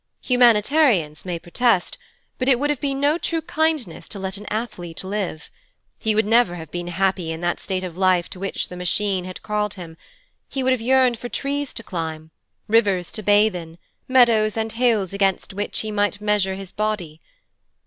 Humanitarians may protest, but it would have been no true kindness to let an athlete live; he would never have been happy in that state of life to which the Machine had called him; he would have yearned for trees to climb, rivers to bathe in, meadows and hills against which he might measure his body.